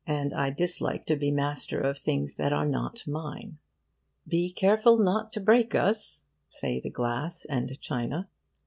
And I dislike to be master of things that are not mine. 'Be careful not to break us,' say the glass and china.